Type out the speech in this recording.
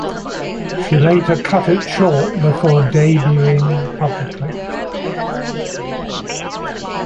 She later cut it short before debuting publicly.